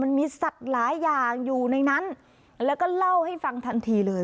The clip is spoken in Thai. มันมีสัตว์หลายอย่างอยู่ในนั้นแล้วก็เล่าให้ฟังทันทีเลย